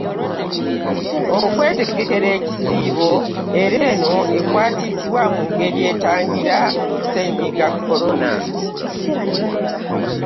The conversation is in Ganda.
Okwetegekera ekisiibo era eno ekwatiddwa mu ngeri etangira Ssennyiga Corona